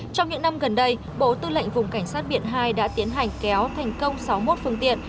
trong những năm gần đây bộ tư lệnh vùng cảnh sát biển hai đã tiến hành kéo thành công sáu mươi một phương tiện